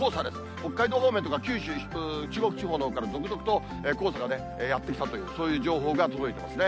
北海道方面とか九州、中国地方のほうから続々と黄砂がやって来たという、そういう情報が届いてますね。